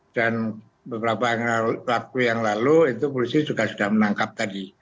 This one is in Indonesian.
dan beberapa waktu yang lalu itu polisi juga sudah menangkapnya